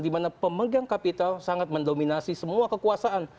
di mana pemegang kapital sangat mendominasi semua kekuasaan